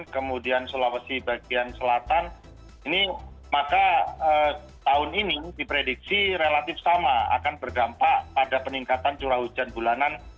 kemudian sulawesi bagian selatan ini maka tahun ini diprediksi relatif sama akan berdampak pada peningkatan curah hujan bulanan